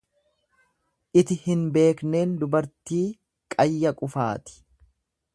Iti hin beekneen dubartii qayya qufaati.